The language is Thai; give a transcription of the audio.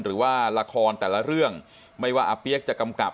หรือว่าละครแต่ละเรื่องไม่ว่าอาเปี๊ยกจะกำกับ